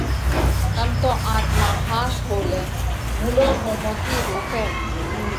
ڪم تو آتما ۿاس ٻولئھ، ڀُونڏون ڪومون ٿِي روڪئھ،